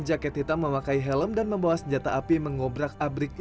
jaket hitam memakai helm dan membawa senjata api mengobrak abriknya